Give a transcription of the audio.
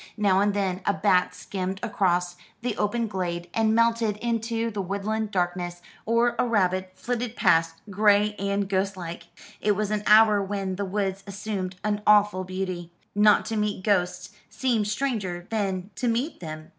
Now and then a bat skimmed across the open glade, and melted into the woodland darkness, or a rabbit flitted past, gray and ghostlike. It was an hour when the woods assumed an awful beauty. Not to meet ghosts seemed stranger than to meet them.